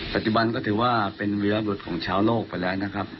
ปัจจุบันก็ถือว่าเป็นวิรบรุษของชาวโลกไปแล้วนะครับ